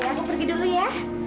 aku pergi dulu ya